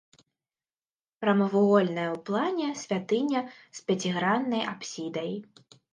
Прамавугольная ў плане святыня з пяціграннай апсідай.